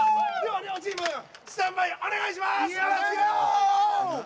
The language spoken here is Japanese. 両チームスタンバイお願いします。